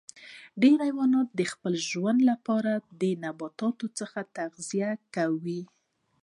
ډیری حیوانات د خپل ژوند لپاره د نباتاتو څخه تغذیه کوي